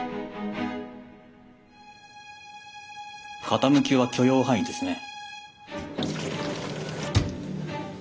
傾きは許容範囲ですね。